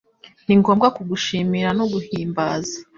Ningombwa kugushimira no guhimbaza